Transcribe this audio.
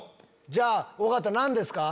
じゃあ尾形何ですか？